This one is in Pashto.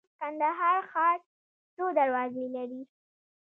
کندهار ښار څو دروازې لري؟